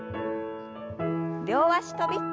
両足跳び。